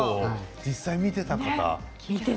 実際に見てた方。